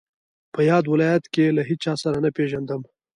په یاد ولایت کې له هیچا سره نه پېژندم.